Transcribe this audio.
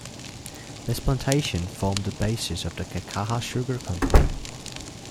This plantation formed the basis of the Kekaha Sugar Company.